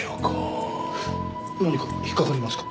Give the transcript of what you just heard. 何か引っかかりますか？